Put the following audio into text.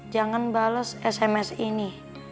jangan bales sms ini